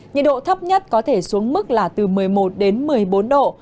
nhiệt độ thấp nhất có thể xuống mức là từ một mươi một đến một mươi bốn độ